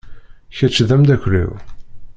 Kečč d amdakel-iw.